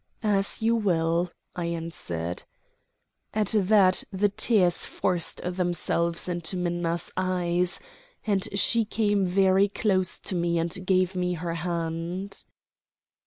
"As you will," I answered. At that the tears forced themselves into Minna's eyes, and she came very close to me and gave me her hand.